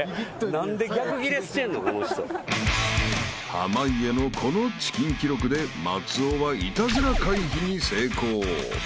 ［濱家のこのチキン記録で松尾はイタズラ回避に成功］